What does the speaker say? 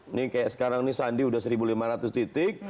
ini kayak sekarang ini sandi udah seribu lima ratus titik